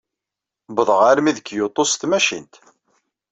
Uwḍeɣ armi d Kyoto s tmacint.